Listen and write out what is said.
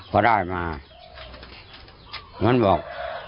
พอได้มามันบอก